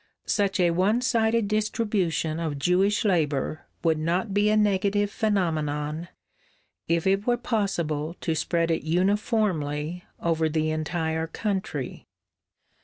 Such a one sided distribution of Jewish labour would not be a negative phenomenon if it were possible to spread it uniformly over the entire country.